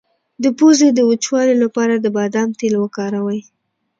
د پوزې د وچوالي لپاره د بادام تېل وکاروئ